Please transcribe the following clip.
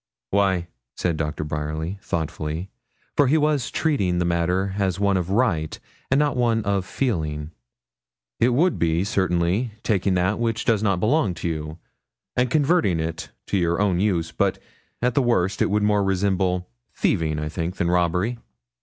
'Why,' said Doctor Bryerly thoughtfully, for he was treating the matter as one of right, and not of feeling, 'it would be, certainly, taking that which does not belong to you, and converting it to your own use; but, at the worst, it would more resemble thieving, I think, than robbery.'